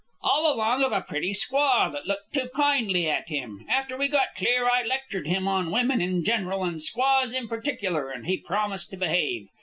"All along of a pretty squaw that looked too kindly at him. After we got clear, I lectured him on women in general and squaws in particular, and he promised to behave.